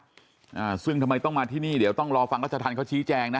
อ่าซึ่งทำไมต้องมาที่นี่เดี๋ยวต้องรอฟังรัชธรรมเขาชี้แจงนะ